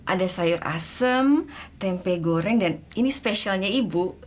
ada sayur asem tempe goreng dan ini spesialnya ibu